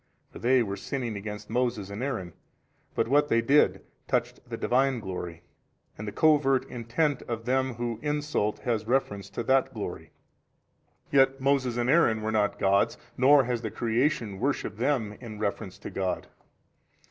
For they were sinning against Moses and Aaron, but what they did touched the Divine glory, and the covert intent of them who insult has reference to that glory. Yet Moses and Aaron were not gods, nor has the creation worshipped them in reference to God.